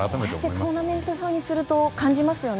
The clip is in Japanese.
こうやってトーナメント表にすると感じますよね。